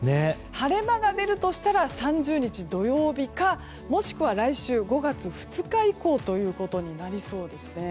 晴れ間が出るとしたら３０日土曜日かもしくは来週５月２日以降となりそうですね。